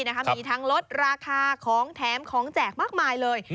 มีทั้งลดราคาของแถมของแจกมากมายเลย